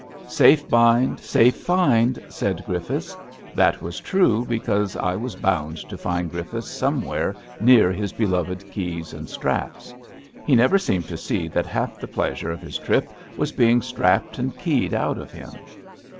'' Safe bind, safe find,*' said Griffiths. That was true, because I was bound to find Griffiths somewhere near his beloved keys and straps. He GRIFFITHS THE SAFE MAN 65 never seemed to see that half the pleasure of his trip was being strapped and keyed out of him.